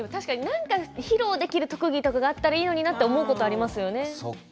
何か披露できる特技とかがあったらいいなと思うことありますよね。